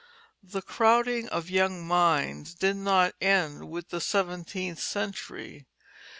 The crowding of young minds did not end with the seventeenth century.